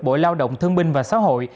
bộ lao động thương binh và xã hội